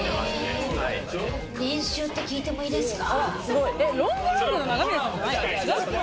年収って聞いてもいいですか？